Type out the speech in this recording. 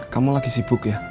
kamu lagi sibuk ya